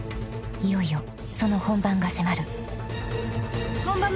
［いよいよその本番が迫る］